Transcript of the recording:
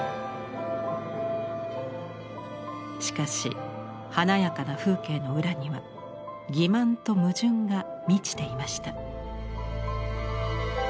しかし華やかな風景の裏には欺瞞と矛盾が満ちていました。